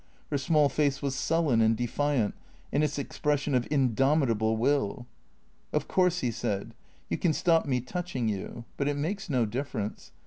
Her small face was sullen and defiant in its expression of indomitable will. "Of course," he said, "you can stop me touching you. But it makes no difference.